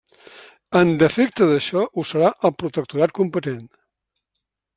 En defecte d'això, ho serà el protectorat competent.